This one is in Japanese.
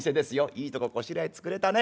いいとここしらえ造れたね。